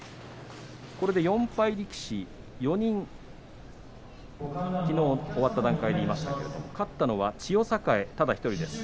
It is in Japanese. これで４敗力士きのう終わった段階で４人いましたが勝ったのは千代栄ただ１人です。